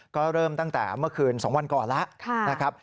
ก็เริ่มตั้งแต่เมื่อคืน๒วันก่อนแล้วนะครับ